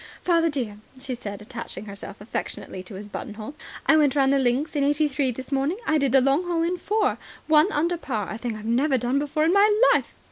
"Father dear," she said, attaching herself affectionately to his buttonhole, "I went round the links in eighty three this morning. I did the long hole in four. One under par, a thing I've never done before in my life."